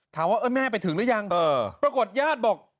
ถามว่าแม่ไปถึงหรือยังปรากฏญาติบอก